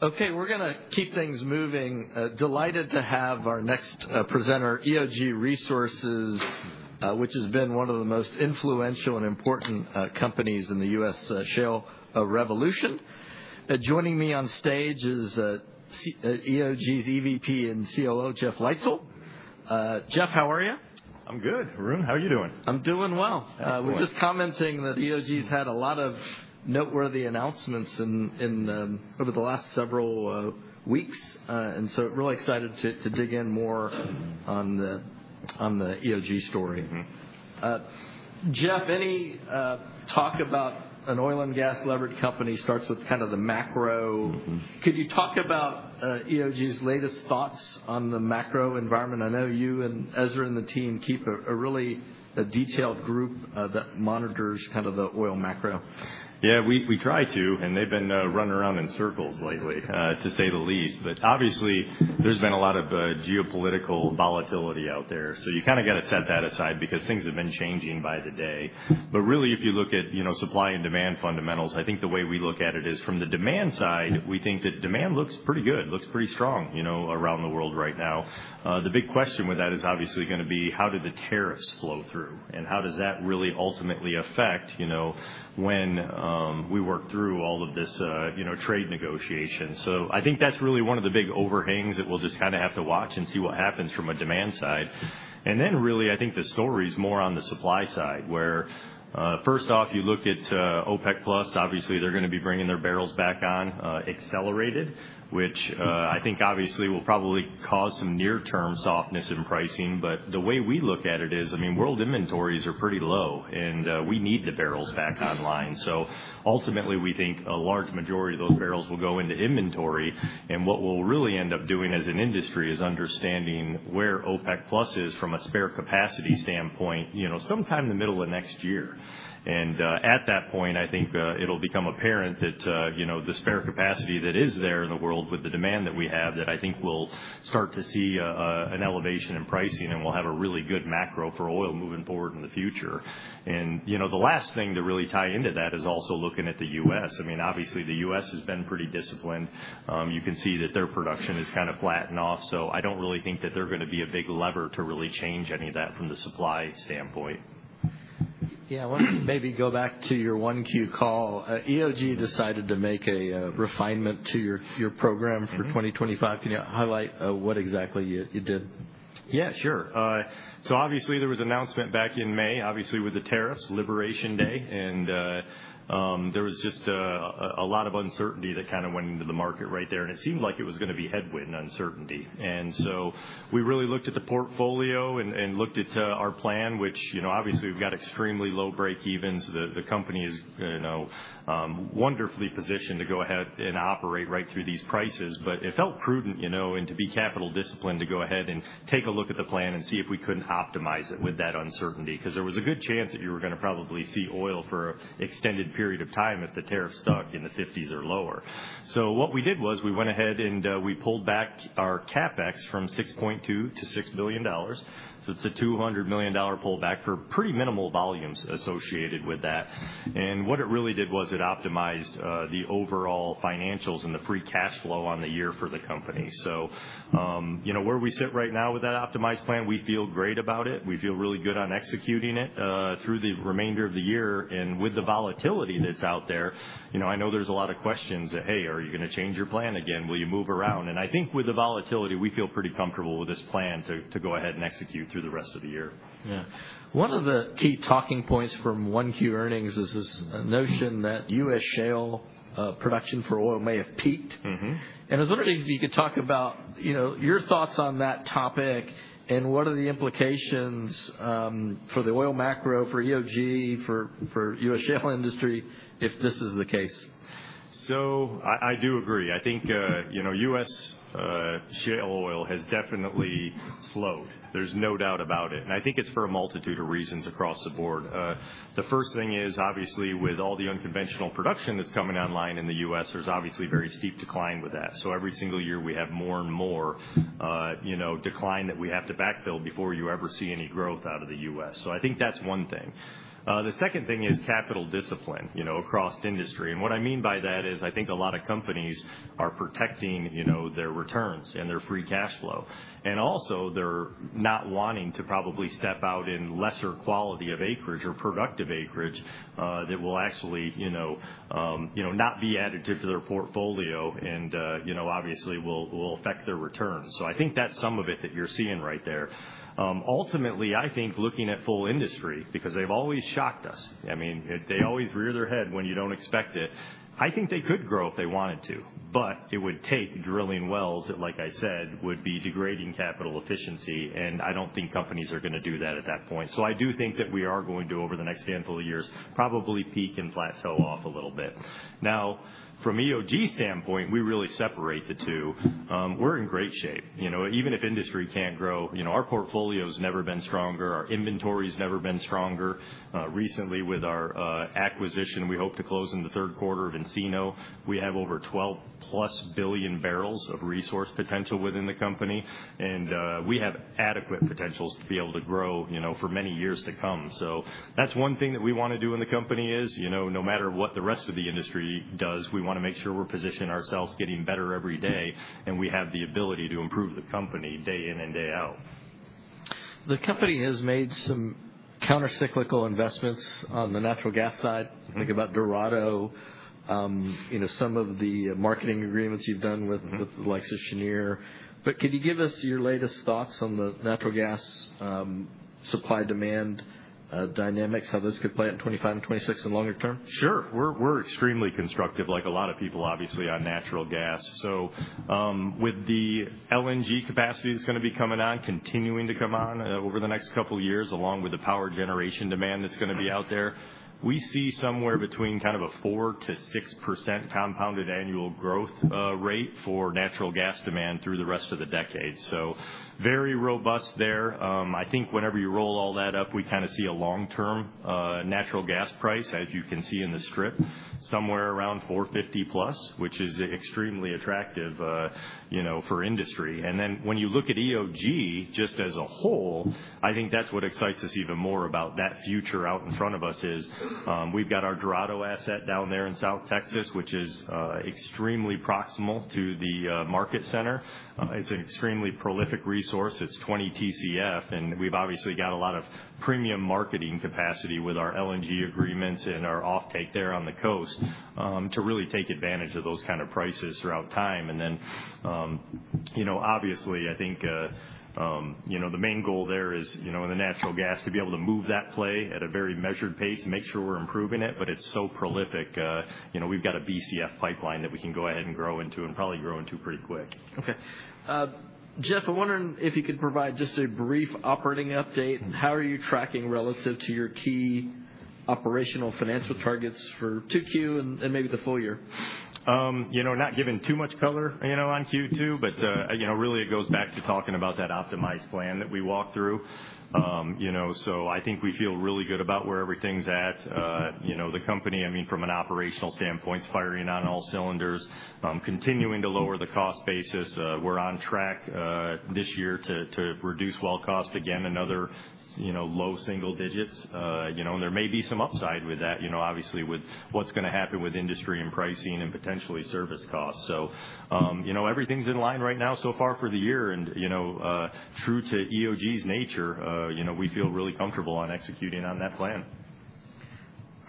Okay, we're going to keep things moving. Delighted to have our next presenter, EOG Resources, which has been one of the most influential and important companies in the U.S. shale revolution. Joining me on stage is EOG's EVP and COO, Jeff Leitzell. Jeff, how are you? I'm good, Arun. How are you doing? I'm doing well. We're just commenting that EOG's had a lot of noteworthy announcements over the last several weeks, and so really excited to dig in more on the EOG story. Jeff, any talk about an oil and gas levered company starts with kind of the macro. Could you talk about EOG's latest thoughts on the macro environment? I know you and Ezra and the team keep a really detailed group that monitors kind of the oil macro. Yeah, we try to, and they've been running around in circles lately, to say the least. Obviously, there's been a lot of geopolitical volatility out there, so you kind of got to set that aside because things have been changing by the day. Really, if you look at supply and demand fundamentals, I think the way we look at it is from the demand side, we think that demand looks pretty good, looks pretty strong around the world right now. The big question with that is obviously going to be how did the tariffs flow through, and how does that really ultimately affect when we work through all of this trade negotiation? I think that's really one of the big overhangs that we'll just kind of have to watch and see what happens from a demand side. Really, I think the story is more on the supply side, where first off, you look at OPEC+. Obviously, they are going to be bringing their barrels back on accelerated, which I think obviously will probably cause some near-term softness in pricing. The way we look at it is, I mean, world inventories are pretty low, and we need the barrels back online. Ultimately, we think a large majority of those barrels will go into inventory. What we will really end up doing as an industry is understanding where OPEC+ is from a spare capacity standpoint sometime in the middle of next year. At that point, I think it'll become apparent that the spare capacity that is there in the world, with the demand that we have, that I think we'll start to see an elevation in pricing, and we'll have a really good macro for oil moving forward in the future. The last thing to really tie into that is also looking at the U.S. I mean, obviously, the U.S. has been pretty disciplined. You can see that their production has kind of flattened off, so I don't really think that they're going to be a big lever to really change any of that from the supply standpoint. Yeah, I want to maybe go back to your 1Q call. EOG decided to make a refinement to your program for 2025. Can you highlight what exactly you did? Yeah, sure. Obviously, there was an announcement back in May, obviously with the tariffs, Liberation Day, and there was just a lot of uncertainty that kind of went into the market right there. It seemed like it was going to be headwind uncertainty. We really looked at the portfolio and looked at our plan, which obviously we've got extremely low breakevens. The company is wonderfully positioned to go ahead and operate right through these prices. It felt prudent and to be capital disciplined to go ahead and take a look at the plan and see if we couldn't optimize it with that uncertainty, because there was a good chance that you were going to probably see oil for an extended period of time if the tariffs stuck in the $50s or lower. What we did was we went ahead and we pulled back our CapEx from $6.2 billion to $6 billion. It is a $200 million pullback for pretty minimal volumes associated with that. What it really did was it optimized the overall financials and the free cash flow on the year for the company. Where we sit right now with that optimized plan, we feel great about it. We feel really good on executing it through the remainder of the year. With the volatility that is out there, I know there are a lot of questions that, hey, are you going to change your plan again? Will you move around? I think with the volatility, we feel pretty comfortable with this plan to go ahead and execute through the rest of the year. Yeah. One of the key talking points from Q1 earnings is this notion that U.S. shale production for oil may have peaked. I was wondering if you could talk about your thoughts on that topic and what are the implications for the oil macro, for EOG, for U.S. shale industry if this is the case. I do agree. I think U.S. shale oil has definitely slowed. There's no doubt about it. I think it's for a multitude of reasons across the board. The first thing is, obviously, with all the unconventional production that's coming online in the U.S., there's obviously very steep decline with that. Every single year we have more and more decline that we have to backfill before you ever see any growth out of the U.S. I think that's one thing. The second thing is capital discipline across industry. What I mean by that is I think a lot of companies are protecting their returns and their free cash flow. Also, they're not wanting to probably step out in lesser quality of acreage or productive acreage that will actually not be added to their portfolio and obviously will affect their returns. I think that's some of it that you're seeing right there. Ultimately, I think looking at full industry, because they've always shocked us, I mean, they always rear their head when you don't expect it. I think they could grow if they wanted to, but it would take drilling wells that, like I said, would be degrading capital efficiency. I don't think companies are going to do that at that point. I do think that we are going to, over the next handful of years, probably peak and plateau off a little bit. Now, from EOG standpoint, we really separate the two. We're in great shape. Even if industry can't grow, our portfolio has never been stronger. Our inventory has never been stronger. Recently, with our acquisition, we hope to close in the third quarter of Encino. We have over 12+ billion bbl of resource potential within the company, and we have adequate potentials to be able to grow for many years to come. That's one thing that we want to do in the company is, no matter what the rest of the industry does, we want to make sure we're positioning ourselves getting better every day and we have the ability to improve the company day in and day out. The company has made some countercyclical investments on the natural gas side. Think about Dorado, some of the marketing agreements you've done with Cheniere. Could you give us your latest thoughts on the natural gas supply-demand dynamics, how those could play out in 2025 and 2026 and longer term? Sure. We're extremely constructive, like a lot of people, obviously, on natural gas. With the LNG capacity that's going to be coming on, continuing to come on over the next couple of years, along with the power generation demand that's going to be out there, we see somewhere between kind of a 4%-6% compounded annual growth rate for natural gas demand through the rest of the decade. Very robust there. I think whenever you roll all that up, we kind of see a long-term natural gas price, as you can see in the strip, somewhere around $4.50+, which is extremely attractive for industry. When you look at EOG just as a whole, I think that's what excites us even more about that future out in front of us is we've got our Dorado asset down there in South Texas, which is extremely proximal to the market center. It's an extremely prolific resource. It's 20 TCF. We've obviously got a lot of premium marketing capacity with our LNG agreements and our offtake there on the coast to really take advantage of those kind of prices throughout time. Obviously, I think the main goal there is in the natural gas to be able to move that play at a very measured pace and make sure we're improving it. It's so prolific. We've got a BCF pipeline that we can go ahead and grow into and probably grow into pretty quick. Okay. Jeff, I'm wondering if you could provide just a brief operating update. How are you tracking relative to your key operational financial targets for 2Q and maybe the full year? Not giving too much color on Q2, but really it goes back to talking about that optimized plan that we walked through. I think we feel really good about where everything's at. The company, I mean, from an operational standpoint, is firing on all cylinders, continuing to lower the cost basis. We're on track this year to reduce well cost again, another low single digits. There may be some upside with that, obviously, with what's going to happen with industry and pricing and potentially service costs. Everything's in line right now so far for the year. True to EOG's nature, we feel really comfortable on executing on that plan.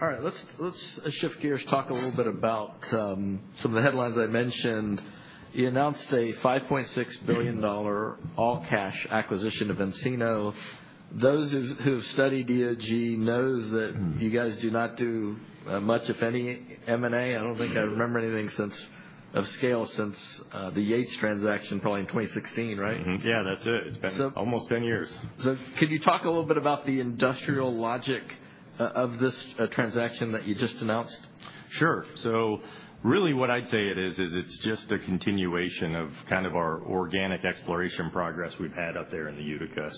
All right. Let's shift gears, talk a little bit about some of the headlines I mentioned. You announced a $5.6 billion all-cash acquisition of Encino. Those who have studied EOG know that you guys do not do much, if any, M&A. I don't think I remember anything of scale since the Yates transaction, probably in 2016, right? Yeah, that's it. It's been almost 10 years. Can you talk a little bit about the industrial logic of this transaction that you just announced? Sure. What I'd say it is, is it's just a continuation of kind of our organic exploration progress we've had up there in the Utica.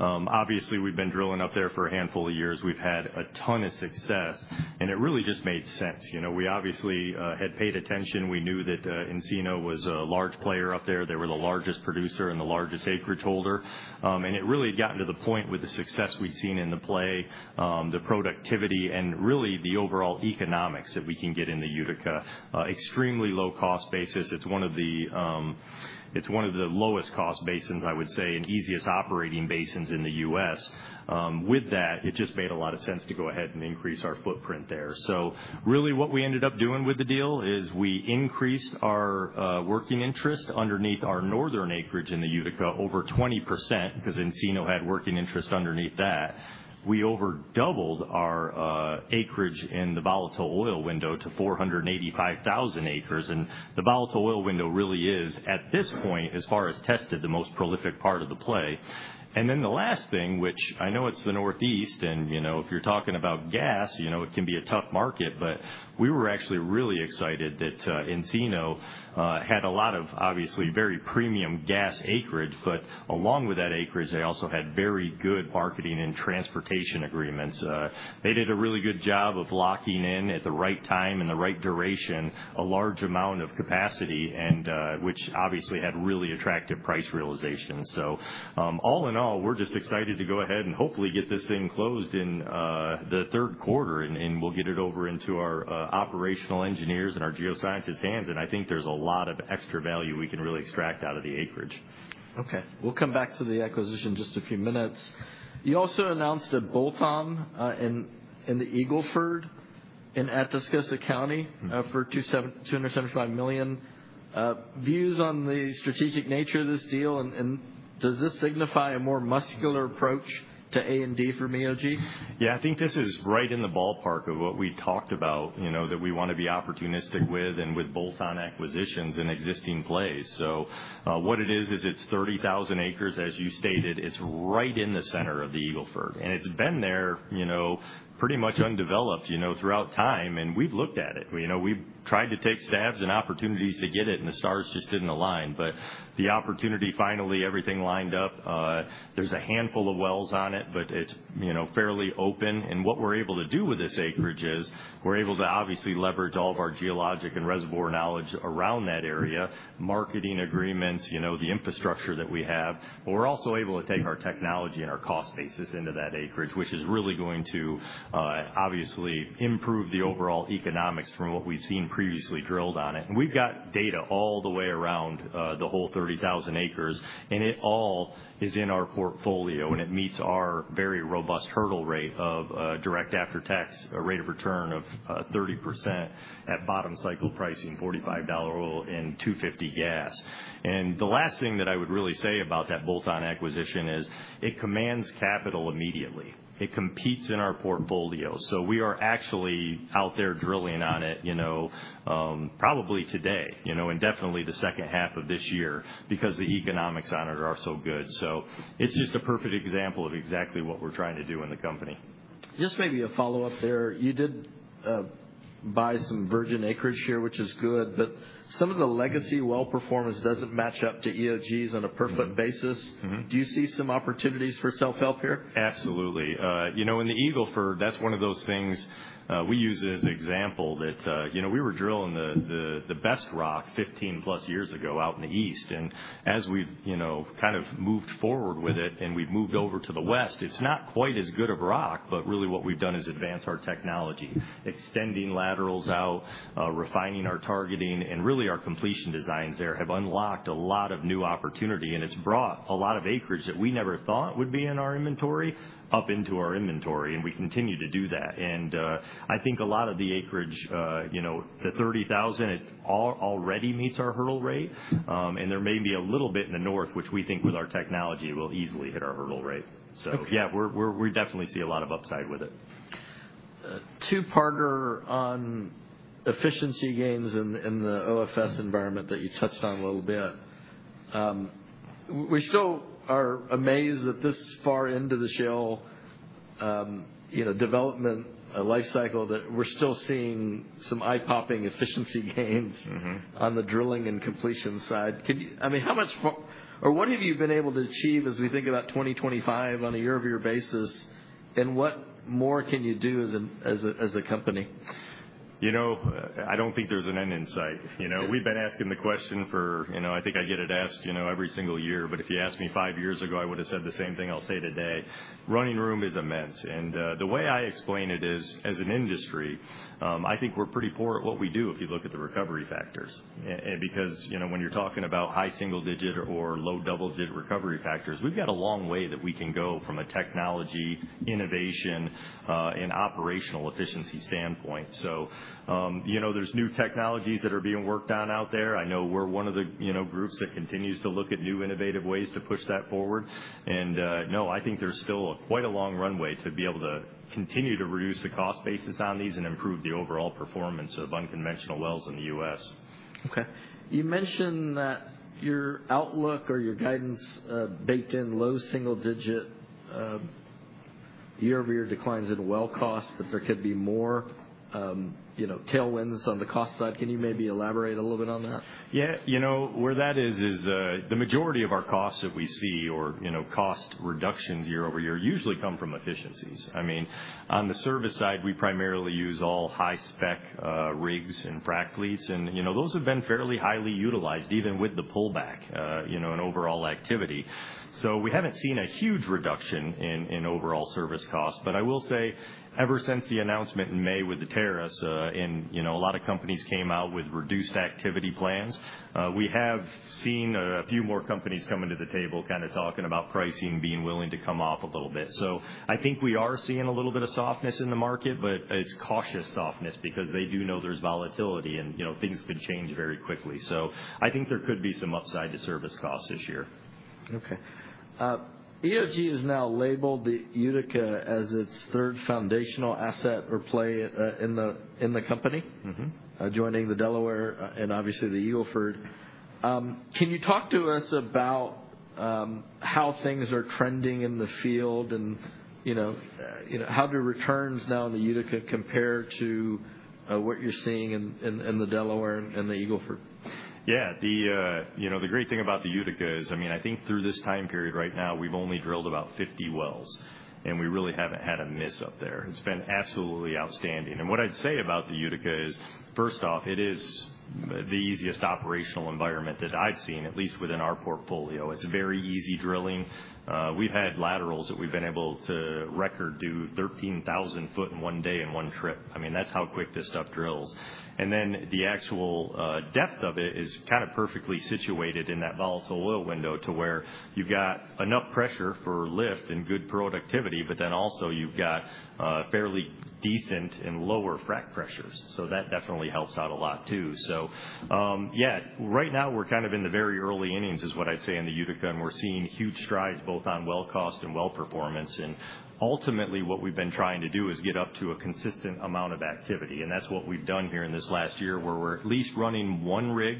Obviously, we've been drilling up there for a handful of years. We've had a ton of success, and it really just made sense. We obviously had paid attention. We knew that Encino was a large player up there. They were the largest producer and the largest acreage holder. It really had gotten to the point with the success we'd seen in the play, the productivity, and really the overall economics that we can get in the Utica, extremely low cost basis. It's one of the lowest cost basins, I would say, and easiest operating basins in the U.S. With that, it just made a lot of sense to go ahead and increase our footprint there. What we ended up doing with the deal is we increased our working interest underneath our northern acreage in the Utica over 20% because Encino had working interest underneath that. We overdoubled our acreage in the volatile oil window to 485,000 acres. The volatile oil window really is, at this point, as far as tested, the most prolific part of the play. The last thing, which I know it's the Northeast, and if you're talking about gas, it can be a tough market, but we were actually really excited that Encino had a lot of obviously very premium gas acreage. Along with that acreage, they also had very good marketing and transportation agreements. They did a really good job of locking in at the right time and the right duration a large amount of capacity, which obviously had really attractive price realization. All in all, we're just excited to go ahead and hopefully get this thing closed in the third quarter, and we'll get it over into our operational engineers' and our geoscientists' hands. I think there's a lot of extra value we can really extract out of the acreage. Okay. We'll come back to the acquisition in just a few minutes. You also announced a bolt-on in the Eagle Ford in Atascosa County for $275 million. Views on the strategic nature of this deal, and does this signify a more muscular approach to A&D from EOG? Yeah, I think this is right in the ballpark of what we talked about, that we want to be opportunistic with and with bolt-on acquisitions in existing plays. What it is, is it's 30,000 acres, as you stated. It's right in the center of the Eagle Ford. It's been there pretty much undeveloped throughout time. We've looked at it. We've tried to take stabs and opportunities to get it, and the stars just didn't align. The opportunity finally, everything lined up. There's a handful of wells on it, but it's fairly open. What we're able to do with this acreage is we're able to obviously leverage all of our geologic and reservoir knowledge around that area, marketing agreements, the infrastructure that we have. We are also able to take our technology and our cost basis into that acreage, which is really going to obviously improve the overall economics from what we have seen previously drilled on it. We have data all the way around the whole 30,000 acres, and it all is in our portfolio. It meets our very robust hurdle rate of direct after-tax rate of return of 30% at bottom cycle pricing, $45 oil and $2.50 gas. The last thing that I would really say about that bolt-on acquisition is it commands capital immediately. It competes in our portfolio. We are actually out there drilling on it probably today and definitely the second half of this year because the economics on it are so good. It is just a perfect example of exactly what we are trying to do in the company. Just maybe a follow-up there. You did buy some virgin acreage here, which is good. Some of the legacy well performance does not match up to EOG's on a perfect basis. Do you see some opportunities for self-help here? Absolutely. In the Eagle Ford, that's one of those things we use as an example that we were drilling the best rock 15+ years ago out in the east. As we've kind of moved forward with it and we've moved over to the West, it's not quite as good of rock. Really what we've done is advance our technology, extending laterals out, refining our targeting. Really our completion designs there have unlocked a lot of new opportunity. It's brought a lot of acreage that we never thought would be in our inventory up into our inventory. We continue to do that. I think a lot of the acreage, the 30,000 acres it already meets our hurdle rate. There may be a little bit in the north, which we think with our technology will easily hit our hurdle rate. Yeah, we definitely see a lot of upside with it. Two-parter on efficiency gains in the OFS environment that you touched on a little bit. We still are amazed that this far into the shale development life cycle, that we're still seeing some eye-popping efficiency gains on the drilling and completion side. I mean, how much or what have you been able to achieve as we think about 2025 on a year-over-year basis? And what more can you do as a company? I don't think there's an end in sight. We've been asking the question for, I think I get it asked every single year. If you asked me five years ago, I would have said the same thing I'll say today. Running room is immense. The way I explain it is, as an industry, I think we're pretty poor at what we do if you look at the recovery factors. When you're talking about high single-digit or low double-digit recovery factors, we've got a long way that we can go from a technology, innovation, and operational efficiency standpoint. There are new technologies that are being worked on out there. I know we're one of the groups that continues to look at new innovative ways to push that forward. No, I think there's still quite a long runway to be able to continue to reduce the cost basis on these and improve the overall performance of unconventional wells in the U.S. Okay. You mentioned that your outlook or your guidance baked in low single-digit year-over-year declines in well cost, but there could be more tailwinds on the cost side. Can you maybe elaborate a little bit on that? Yeah. Where that is, is the majority of our costs that we see or cost reductions year-over-year usually come from efficiencies. I mean, on the service side, we primarily use all high-spec rigs and fract fleets. And those have been fairly highly utilized even with the pullback in overall activity. We have not seen a huge reduction in overall service costs. I will say ever since the announcement in May with the tariffs, and a lot of companies came out with reduced activity plans, we have seen a few more companies come to the table kind of talking about pricing, being willing to come off a little bit. I think we are seeing a little bit of softness in the market, but it is cautious softness because they do know there is volatility and things could change very quickly. I think there could be some upside to service costs this year. Okay. EOG has now labeled the Utica as its third foundational asset or play in the company, joining the Delaware and obviously the Eagle Ford. Can you talk to us about how things are trending in the field and how do returns now in the Utica compare to what you're seeing in the Delaware and the Eagle Ford? Yeah. The great thing about the Utica is, I mean, I think through this time period right now, we've only drilled about 50 wells, and we really haven't had a miss up there. It's been absolutely outstanding. What I'd say about the Utica is, first off, it is the easiest operational environment that I've seen, at least within our portfolio. It's very easy drilling. We've had laterals that we've been able to record do 13,000 ft in one day in one trip. I mean, that's how quick this stuff drills. The actual depth of it is kind of perfectly situated in that volatile oil window to where you've got enough pressure for lift and good productivity, but then also you've got fairly decent and lower frac pressures. That definitely helps out a lot too. Yeah, right now we're kind of in the very early innings is what I'd say in the Utica. And we're seeing huge strides both on well cost and well performance. Ultimately, what we've been trying to do is get up to a consistent amount of activity. That's what we've done here in this last year where we're at least running one rig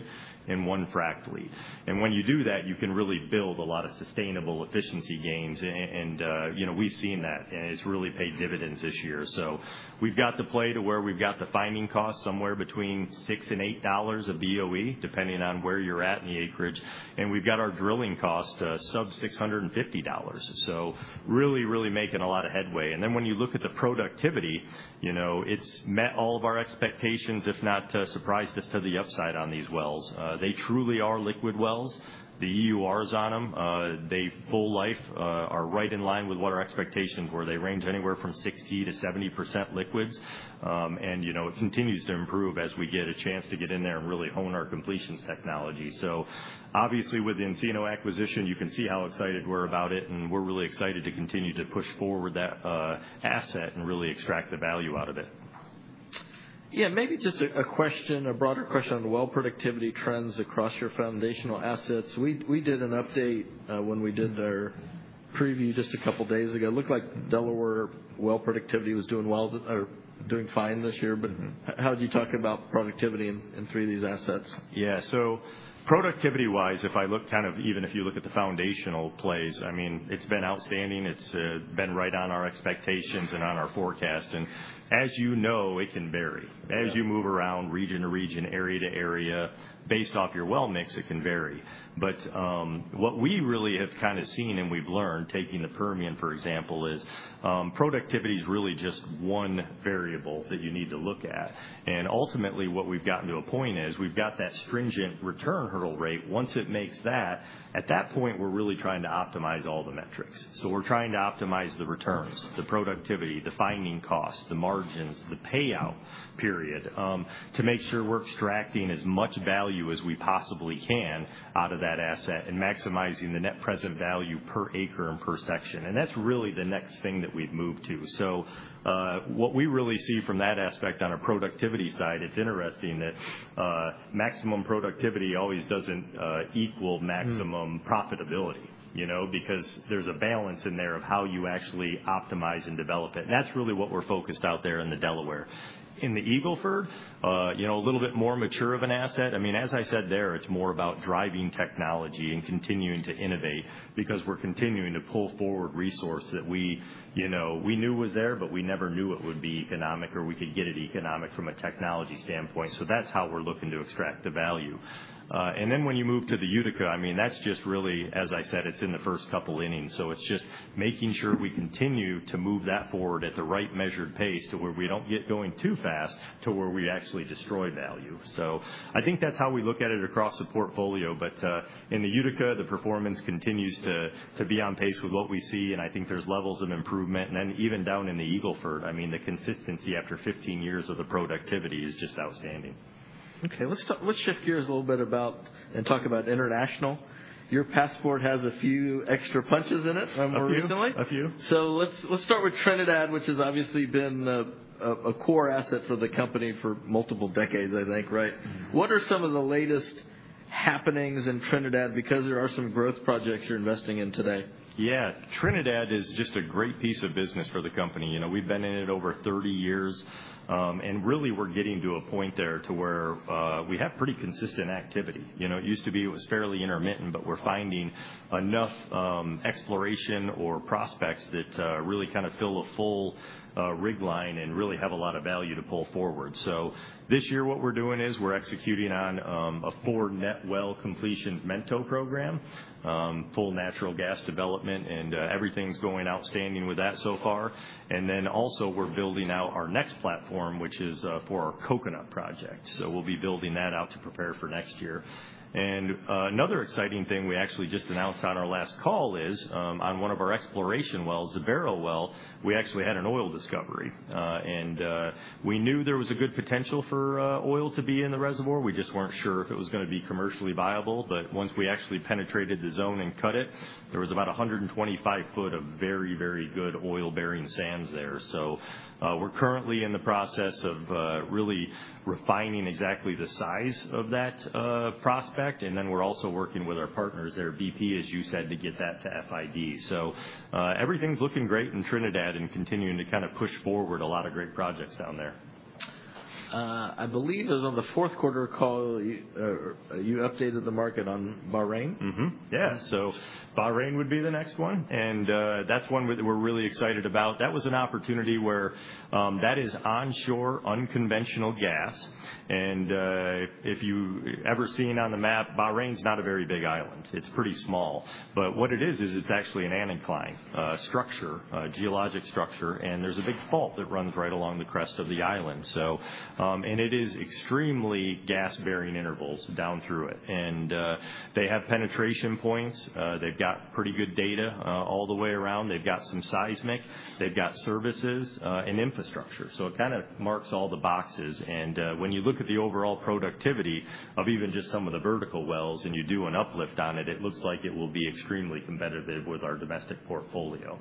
and one fract fleet. When you do that, you can really build a lot of sustainable efficiency gains. We've seen that, and it's really paid dividends this year. We've got the play to where we've got the finding cost somewhere between $6 and $8 a BOE, depending on where you're at in the acreage. We've got our drilling cost sub $650. Really, really making a lot of headway. When you look at the productivity, it has met all of our expectations, if not surprised us to the upside on these wells. They truly are liquid wells. The EURs on them, their full life, are right in line with what our expectations were. They range anywhere from 60%-70% liquids. It continues to improve as we get a chance to get in there and really hone our completions technology. Obviously, with the Encino acquisition, you can see how excited we are about it. We are really excited to continue to push forward that asset and really extract the value out of it. Yeah. Maybe just a question, a broader question on well productivity trends across your foundational assets. We did an update when we did our preview just a couple of days ago. It looked like Delaware well productivity was doing fine this year. How did you talk about productivity in three of these assets? Yeah. Productivity-wise, if I look kind of even if you look at the foundational plays, I mean, it's been outstanding. It's been right on our expectations and on our forecast. As you know, it can vary. As you move around region to region, area to area, based off your well mix, it can vary. What we really have kind of seen and we've learned, taking the Permian, for example, is productivity is really just one variable that you need to look at. Ultimately, what we've gotten to a point is we've got that stringent return hurdle rate. Once it makes that, at that point, we're really trying to optimize all the metrics. We're trying to optimize the returns, the productivity, the finding costs, the margins, the payout period to make sure we're extracting as much value as we possibly can out of that asset and maximizing the net present value per acre and per section. That's really the next thing that we've moved to. What we really see from that aspect on a productivity side, it's interesting that maximum productivity always doesn't equal maximum profitability because there's a balance in there of how you actually optimize and develop it. That's really what we're focused out there in the Delaware. In the Eagle Ford, a little bit more mature of an asset. I mean, as I said there, it's more about driving technology and continuing to innovate because we're continuing to pull forward resources that we knew were there, but we never knew it would be economic or we could get it economic from a technology standpoint. That's how we're looking to extract the value. When you move to the Utica, I mean, that's just really, as I said, it's in the first couple of innings. It's just making sure we continue to move that forward at the right measured pace to where we don't get going too fast to where we actually destroy value. I think that's how we look at it across the portfolio. In the Utica, the performance continues to be on pace with what we see. I think there's levels of improvement. Even down in the Eagle Ford, I mean, the consistency after 15 years of the productivity is just outstanding. Okay. Let's shift gears a little bit and talk about international. Your passport has a few extra punches in it more recently. A few. Let's start with Trinidad, which has obviously been a core asset for the company for multiple decades, I think, right? What are some of the latest happenings in Trinidad because there are some growth projects you're investing in today? Yeah. Trinidad is just a great piece of business for the company. We've been in it over 30 years. Really, we're getting to a point there to where we have pretty consistent activity. It used to be it was fairly intermittent, but we're finding enough exploration or prospects that really kind of fill a full rig line and really have a lot of value to pull forward. This year, what we're doing is we're executing on a four net well completions mentor program, full natural gas development, and everything's going outstanding with that so far. Also, we're building out our next platform, which is for our Coconut Project. We'll be building that out to prepare for next year. Another exciting thing we actually just announced on our last call is on one of our exploration wells, the Barrow Well, we actually had an oil discovery. We knew there was a good potential for oil to be in the reservoir. We just were not sure if it was going to be commercially viable. Once we actually penetrated the zone and cut it, there was about 125 ft of very, very good oil-bearing sands there. We are currently in the process of really refining exactly the size of that prospect. We are also working with our partners there, BP, as you said, to get that to FID. Everything is looking great in Trinidad and continuing to kind of push forward a lot of great projects down there. I believe it was on the fourth quarter call you updated the market on Bahrain. Yeah. Bahrain would be the next one. That is one we're really excited about. That was an opportunity where that is onshore unconventional gas. If you ever see on the map, Bahrain is not a very big island. It's pretty small. What it is, is it's actually an anticline structure, geologic structure. There's a big fault that runs right along the crest of the island. It is extremely gas-bearing intervals down through it. They have penetration points. They've got pretty good data all the way around. They've got some seismic. They've got services and infrastructure. It kind of marks all the boxes. When you look at the overall productivity of even just some of the vertical wells and you do an uplift on it, it looks like it will be extremely competitive with our domestic portfolio.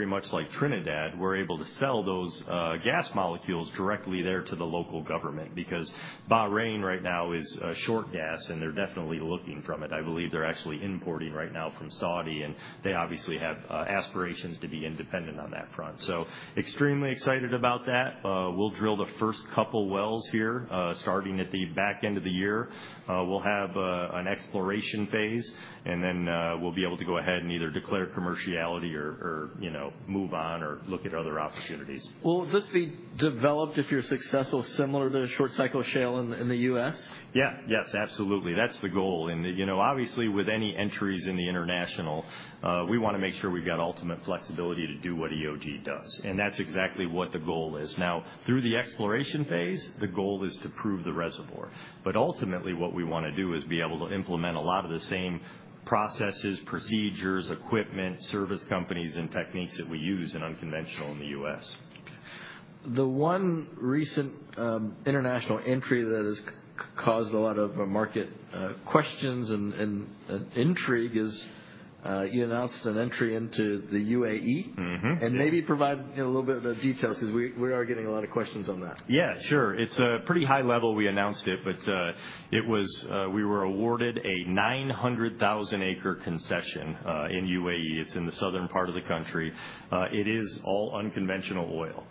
Very much like Trinidad, we're able to sell those gas molecules directly there to the local government because Bahrain right now is short gas, and they're definitely looking for it. I believe they're actually importing right now from Saudi, and they obviously have aspirations to be independent on that front. Extremely excited about that. We'll drill the first couple of wells here starting at the back end of the year. We'll have an exploration phase, and then we'll be able to go ahead and either declare commerciality or move on or look at other opportunities. Will this be developed, if you're successful, similar to short-cycle shale in the U.S.? Yeah. Yes, absolutely. That is the goal. Obviously, with any entries in the international, we want to make sure we have ultimate flexibility to do what EOG does. That is exactly what the goal is. Now, through the exploration phase, the goal is to prove the reservoir. Ultimately, what we want to do is be able to implement a lot of the same processes, procedures, equipment, service companies, and techniques that we use in unconventional in the U.S. The one recent international entry that has caused a lot of market questions and intrigue is you announced an entry into the UAE. Maybe provide a little bit of details because we are getting a lot of questions on that. Yeah, sure. It's pretty high level. We announced it, but we were awarded a 900,000-acre concession in UAE. It's in the southern part of the country. It is all unconventional oil.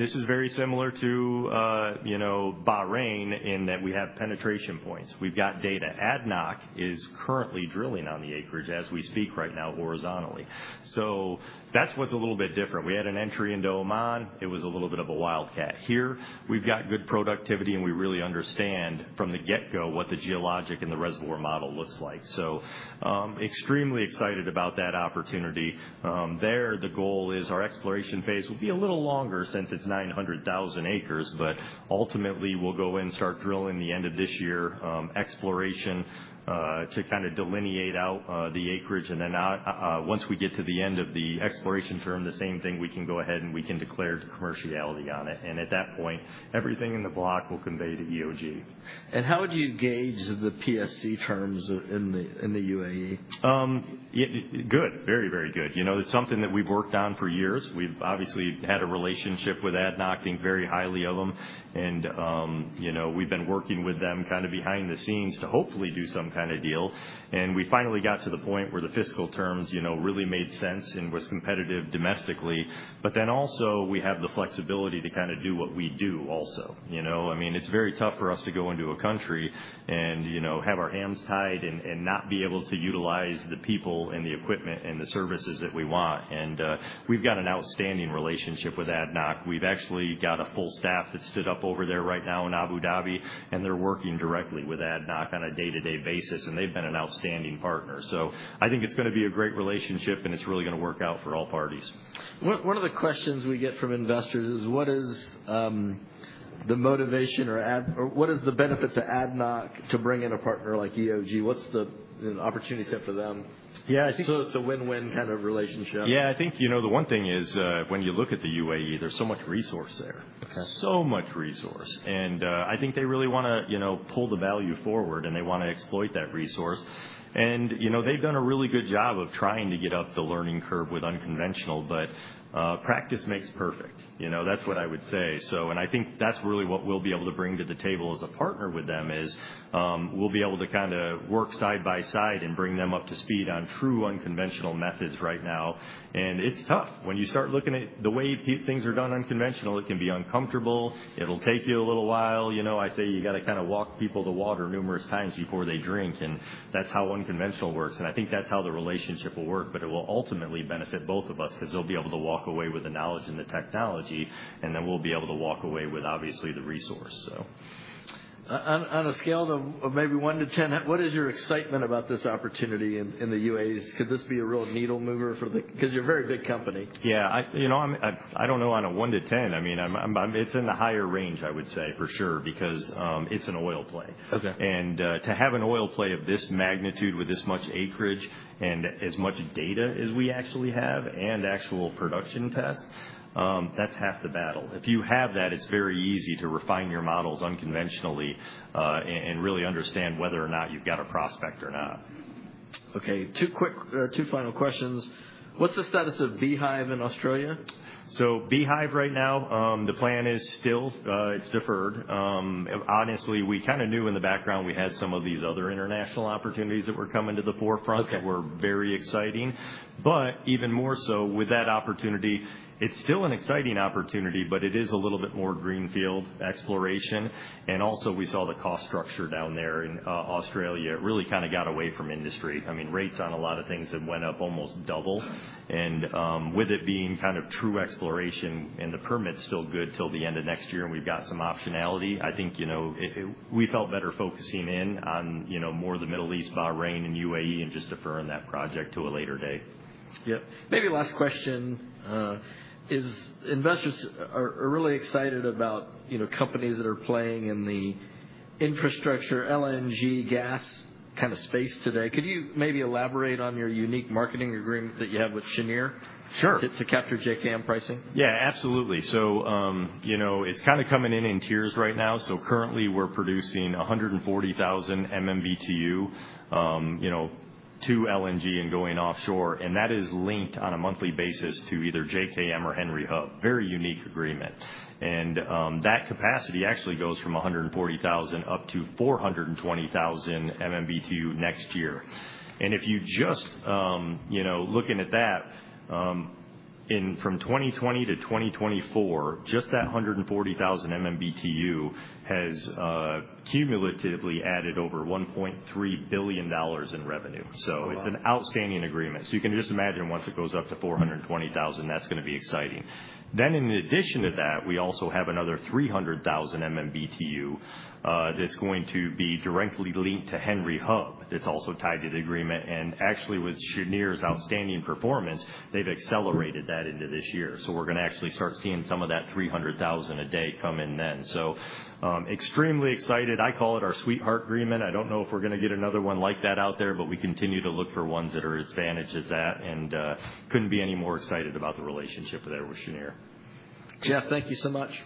This is very similar to Bahrain in that we have penetration points. We've got data. ADNOC is currently drilling on the acreage as we speak right now horizontally. That's what's a little bit different. We had an entry into Oman. It was a little bit of a wildcat. Here, we've got good productivity, and we really understand from the get-go what the geologic and the reservoir model looks like. Extremely excited about that opportunity. There, the goal is our exploration phase will be a little longer since it's 900,000 acres. Ultimately, we'll go in and start drilling the end of this year exploration to kind of delineate out the acreage. Once we get to the end of the exploration term, the same thing, we can go ahead and we can declare commerciality on it. At that point, everything in the block will convey to EOG. How would you gauge the PSC terms in the UAE? Good. Very, very good. It's something that we've worked on for years. We've obviously had a relationship with ADNOC, think very highly of them. We've been working with them kind of behind the scenes to hopefully do some kind of deal. We finally got to the point where the fiscal terms really made sense and was competitive domestically. We have the flexibility to kind of do what we do also. I mean, it's very tough for us to go into a country and have our hands tied and not be able to utilize the people and the equipment and the services that we want. We've got an outstanding relationship with ADNOC. We've actually got a full staff that stood up over there right now in Abu Dhabi, and they're working directly with ADNOC on a day-to-day basis. They've been an outstanding partner. I think it's going to be a great relationship, and it's really going to work out for all parties. One of the questions we get from investors is what is the motivation or what is the benefit to ADNOC to bring in a partner like EOG? What's the opportunity set for them? It is a win-win kind of relationship. Yeah. I think the one thing is when you look at the UAE., there's so much resource there. So much resource. I think they really want to pull the value forward, and they want to exploit that resource. They've done a really good job of trying to get up the learning curve with unconventional, but practice makes perfect. That's what I would say. I think that's really what we'll be able to bring to the table as a partner with them is we'll be able to kind of work side by side and bring them up to speed on true unconventional methods right now. It's tough. When you start looking at the way things are done unconventional, it can be uncomfortable. It'll take you a little while. I say you got to kind of walk people to water numerous times before they drink. That is how unconventional works. I think that is how the relationship will work. It will ultimately benefit both of us because they will be able to walk away with the knowledge and the technology. We will be able to walk away with, obviously, the resource. On a scale of maybe 1 to 10, what is your excitement about this opportunity in the UAE? Could this be a real needle mover for the company because you're a very big company? Yeah. I don't know on a 1-10. I mean, it's in the higher range, I would say, for sure, because it's an oil play. And to have an oil play of this magnitude with this much acreage and as much data as we actually have and actual production tests, that's half the battle. If you have that, it's very easy to refine your models unconventionally and really understand whether or not you've got a prospect or not. Okay. Two final questions. What's the status of Beehive in Australia? Beehive right now, the plan is still it's deferred. Honestly, we kind of knew in the background we had some of these other international opportunities that were coming to the forefront that were very exciting. Even more so with that opportunity, it's still an exciting opportunity, but it is a little bit more greenfield exploration. Also, we saw the cost structure down there in Australia. It really kind of got away from industry. I mean, rates on a lot of things have went up almost double. With it being kind of true exploration and the permit's still good till the end of next year and we've got some optionality, I think we felt better focusing in on more of the Middle East, Bahrain, and UAE and just deferring that project to a later day. Yep. Maybe last question is investors are really excited about companies that are playing in the infrastructure, LNG, gas kind of space today. Could you maybe elaborate on your unique marketing agreement that you have with Cheniere to capture JKM pricing? Yeah, absolutely. It is kind of coming in in tiers right now. Currently, we're producing 140,000 MMBtu to LNG and going offshore. That is linked on a monthly basis to either JKM or Henry Hub. Very unique agreement. That capacity actually goes from 140,000 MMBtu up to 420,000 MMBtu next year. If you just look at that from 2020 to 2024, just that 140,000 MMBtu has cumulatively added over $1.3 billion in revenue. It is an outstanding agreement. You can just imagine once it goes up to 420,000 MMBtu that is going to be exciting. In addition to that, we also have another 300,000 MMBtu that is going to be directly linked to Henry Hub that is also tied to the agreement. Actually, with Cheniere's outstanding performance, they have accelerated that into this year. We're going to actually start seeing some of that 300,000 MMBtu a day come in then. Extremely excited. I call it our sweetheart agreement. I do not know if we're going to get another one like that out there, but we continue to look for ones that are as advantaged as that. Could not be any more excited about the relationship there with Cheniere. Jeff, thank you so much.